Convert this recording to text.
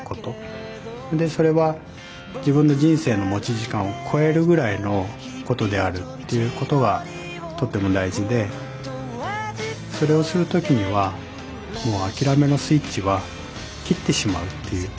でそれは自分の人生の持ち時間を超えるぐらいの事であるっていう事がとっても大事でそれをする時にはもう諦めのスイッチは切ってしまうっていう。